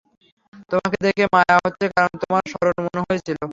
তোমাকে দেখে মাঁয়া হচ্ছে কারণ তোমায় সরল মনে হয়েছিল।